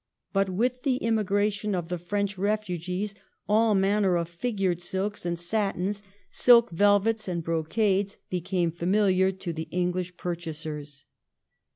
But with the immigration of the French refugees all manner of figured silks and satins, silk velvets and brocades, became familiar to the English purchasers.